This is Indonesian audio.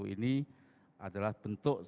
ini adalah bentuk